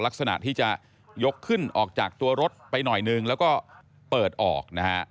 ลักษณะที่จะยกขึ้นออกจากตัวรถไปหน่อยนึงแล้วก็เปิดออกนะฮะ